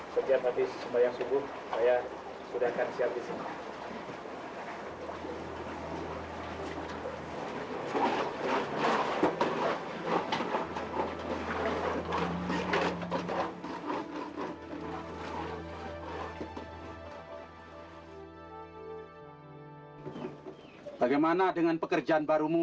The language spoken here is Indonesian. setiap habis sembahyang subuh saya sudah akan siap disini bagaimana dengan pekerjaan barumu